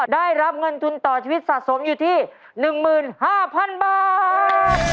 ได้รับเงินทุนต่อชีวิตสะสมอยู่ที่๑๕๐๐๐บาท